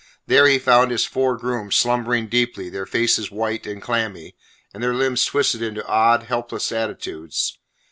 There he found his four grooms slumbering deeply, their faces white and clammy, and their limbs twisted into odd, helpless attitudes.